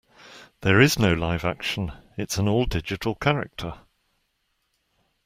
There is no live action; it's an all-digital character.